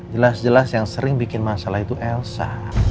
jelas jelas yang sering bikin masalah itu elsa